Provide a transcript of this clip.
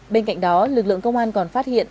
bên cạnh đó lực lượng công an còn phát hiện